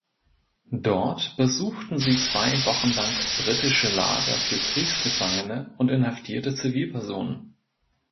Dort besuchten sie zwei Wochen lang britische Lager für Kriegsgefangene und inhaftierte Zivilpersonen.